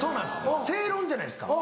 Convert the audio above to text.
正論じゃないですか。